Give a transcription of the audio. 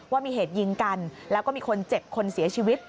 ว่ามีเหตุยิงกันแล้วก็มีคนเจ็บคนเสียชีวิต